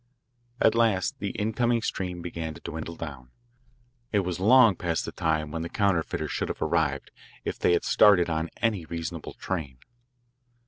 At last the incoming stream began to dwindle down. It was long past the time when the counterfeiters should have arrived if they had started on any reasonable train.